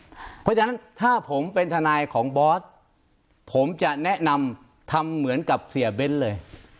เพราะฉะนั้นถ้าผมเป็นทนายของบอสผมจะแนะนำทำเหมือนกับเสียเบ้นเลย